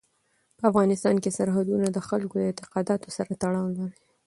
په افغانستان کې سرحدونه د خلکو د اعتقاداتو سره تړاو لري.